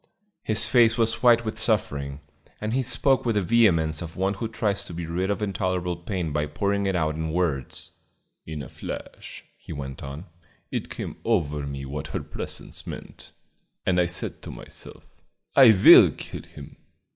His face was white with suffering, and he spoke with the vehemence of one who tries to be rid of intolerable pain by pouring it out in words. "In a flash," he went on, "it came over me what her presence meant, and I said to myself, 'I will kill him!'